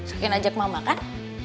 saking ajak mama kan